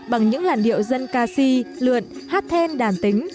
bằng những làn điệu dân ca si lượn hát then đàn tính